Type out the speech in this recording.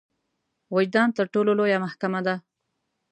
وجدان تر ټولو لويه محکمه ده.